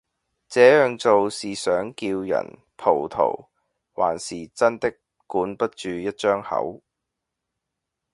這樣做是想叫人葡萄還是真的管不住一張口